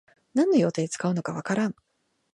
何の用途で使うのかわからん